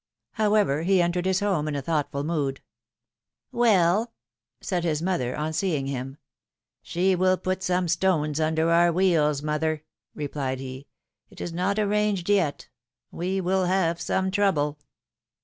However, he entered his home in a thoughtful mood. ^^Well ?" said his mother on seeing him. She will put some stones under our wheels, mother," replied he. It is not arranged yet ! We will have some trouble!"